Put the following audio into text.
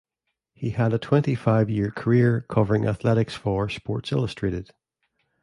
He had a twenty-five-year career covering athletics for "Sports Illustrated".